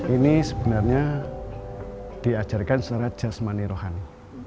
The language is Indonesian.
ini sebenarnya diajarkan secara jasmani rohani